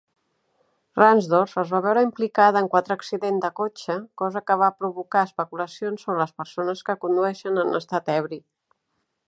Ransdorf es va veure implicada en quatre accidents de cotxe, cosa que va provocar especulacions sobre les persones que condueixen en estat ebri.